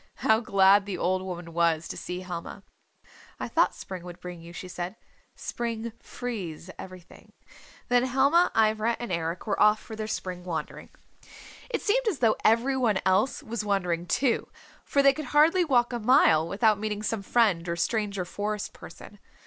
How glad the old woman was to see Helma. "I thought spring would bring you," she said. "Spring frees everything." Then Helma, Ivra and Eric were off for their spring wandering. It seemed as though every one else was wandering, too, for they could hardly walk a mile without meeting some friend or stranger Forest Person.